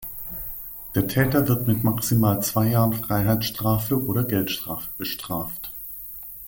Der Täter wird mit maximal zwei Jahren Freiheitsstrafe oder Geldstrafe bestraft.